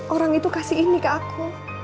orang itu kasih ini ke aku